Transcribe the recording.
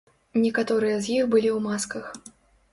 Некаторыя з іх былі ў масках.